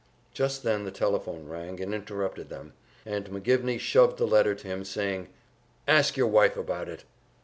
Just then the telephone rang and interrupted them, and McGivney shoved the letter to him saying, "Ask your wife about it!"